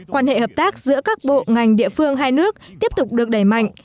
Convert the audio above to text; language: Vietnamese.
quan hệ hợp tác giữa các bộ ngành địa phương hai nước tiếp tục được đẩy mạnh